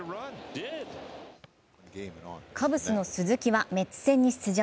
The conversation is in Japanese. カブスの鈴木はメッツ戦に出場。